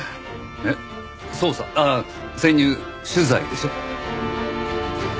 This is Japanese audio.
ああ潜入取材でしょ？